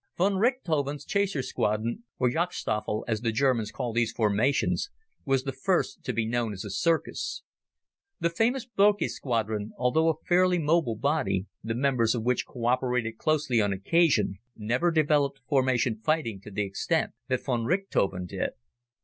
Von Richthofen's chaser squadron or Jagdstaffel, as the Germans call these formations was the first to be known as a "circus." The famous Boelcke squadron, although a fairly mobile body, the members of which co operated closely on occasion, never developed formation fighting to the extent that von Richthofen did.